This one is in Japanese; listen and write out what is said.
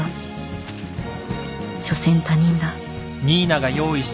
しょせん他人だ